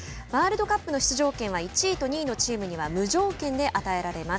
ワールドカップの出場権は１位と２位のチームには無条件で与えられます。